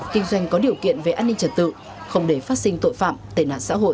kinh doanh có điều kiện về an ninh trật tự không để phát sinh tội phạm tệ nạn xã hội